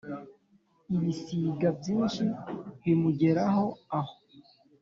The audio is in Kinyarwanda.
Ibisiga byinshi bimugeraho aho,